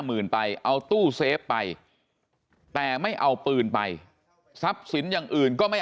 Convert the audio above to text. หมื่นไปเอาตู้เซฟไปแต่ไม่เอาปืนไปทรัพย์สินอย่างอื่นก็ไม่